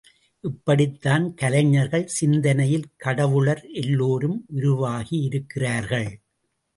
இப்படித்தான் கலைஞர்கள் சிந்தனையில் கடவுளர் எல்லோரும் உருவாகியிருக்கிறார்கள்.